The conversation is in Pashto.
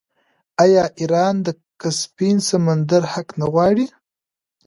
آیا ایران د کسپین سمندر حق نه غواړي؟